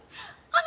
ああ。